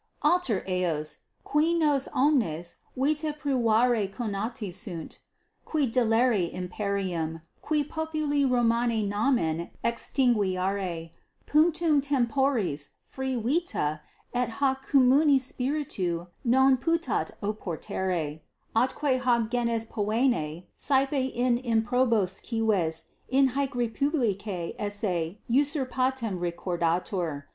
Alter eos, qui nos omnes vita privare conati sunt, qui delere imperium, qui populi Romani nomen exstinguere, punctum temporis frui vita et hoc communi spiritu non putat oportere, atque hoc genus poenae saepe in improbos cives in hac re publica esse usurpatum recordatur.